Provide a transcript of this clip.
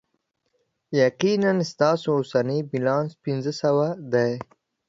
یقینا، ستاسو اوسنی بیلانس پنځه سوه دی.